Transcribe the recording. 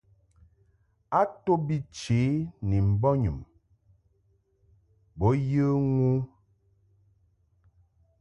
A to bi chě ni mbɔnyum bo yə ŋu.